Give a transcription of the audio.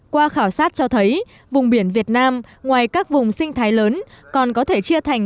qua khảo sát cho thấy vùng biển việt nam ngoài các vùng sinh thái lớn còn có thể chia thành